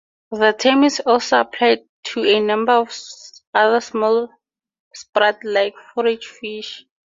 The term is also applied to a number of other small sprat-like forage fish.